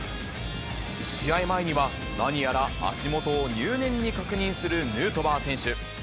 試合前には、何やら足元を入念に確認するヌートバー選手。